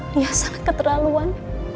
dia sangat keterlaluan